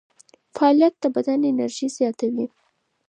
فعالیت د بدن انرژي زیاتوي.